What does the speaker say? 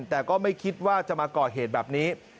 แต่ก็ไม่คิดว่าจะมาก่อเหตุแบบนี้